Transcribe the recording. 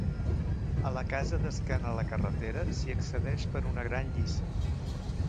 A la casa d'esquena a la carretera s'hi accedeix per una gran lliça.